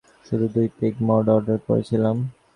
আমরা শুধু দুই পেগ মদ অর্ডার করেছিলাম।